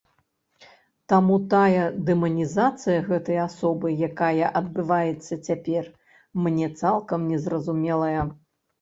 Таму тая дэманізацыя гэтай асобы, якая адбываецца цяпер, мне цалкам незразумелая.